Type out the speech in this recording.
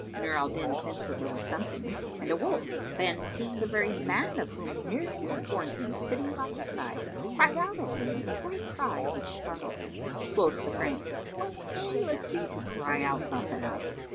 Nur al Din sensed that there was something and awoke; then, seeing the very man of whom Miriam had warned him sitting by his side, cried out at him with a great cry which startled him. Quoth the Frank, "What aileth thee to cry out thus at us?